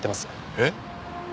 えっ？